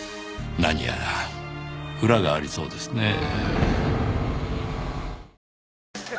何やら裏がありそうですねぇ。